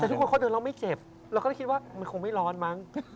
แต่ทุกคนเขาเดินแล้วไม่เจ็บเราก็ได้คิดว่ามันคงไม่ร้อนมั้ง